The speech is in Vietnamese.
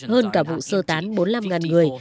hơn cả vụ sơ tán bốn mươi năm người